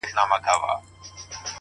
دا ستا پر ژوند در اضافه كي گراني-